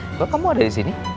kalau kamu ada di sini